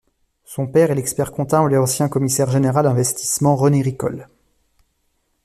Son père est l'expert-comptable et ancien commissaire général à l'investissement René Ricol.